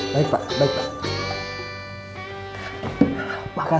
baik pak baik pak